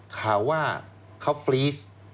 ข่าวว่าเขาฟรีส